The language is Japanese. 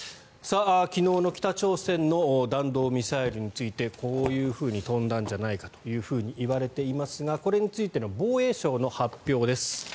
昨日の北朝鮮の弾道ミサイルについてこういうふうに飛んだんじゃないかといわれていますがこれについての防衛省の発表です。